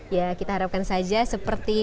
ya kita harapkan saja seperti